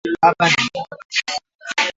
Baba ni mchapa kazi